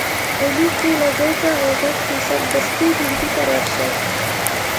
په لیک کې له زوی څخه غوښتي سمدستي ډهلي ته ورشي.